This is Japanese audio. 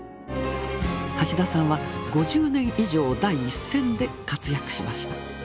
橋田さんは５０年以上第一線で活躍しました。